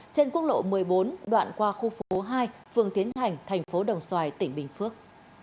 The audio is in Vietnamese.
trên quốc lộ một mươi bốn đoạn qua khu phố hai phường tiến thành thành phố đồng xoài tỉnh bình phước